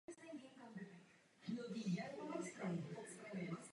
Uprostřed silnice stojí židle.